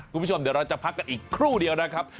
คุณผู้ชมเดี๋ยวเราจะพักกันอีกครู่เดียวนะครับ